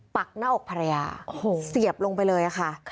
ปักหน้าอกภรรยาเสียบลงไปเลยค่ะ